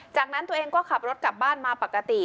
จากนั้นตัวเองก็ขับรถกลับบ้านมาปกติ